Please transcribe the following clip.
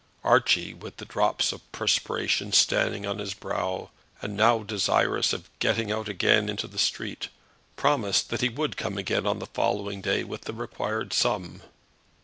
Archie, with the drops of perspiration standing on his brow, and now desirous of getting out again into the street, promised that he would come again on the following day with the required sum.